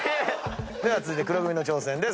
では続いて黒組の挑戦です。